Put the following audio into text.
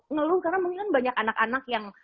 ngeluh karena mungkin banyak anak anak yang